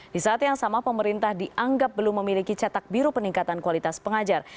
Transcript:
di saat yang sama pemerintah dianggap belum memiliki cetak biru peningkatan kualitas pengajar